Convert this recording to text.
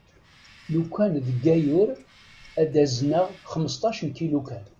Lukan deg ayyur ad azneɣ xmesṭac n kilu kan.